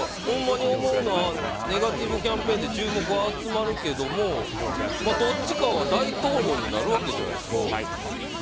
ほんまに思うのはネガティブキャンペーンで注目は集まるけどどっちかは大統領になるわけじゃないですか。